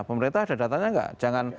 pemerintah ada datanya tidak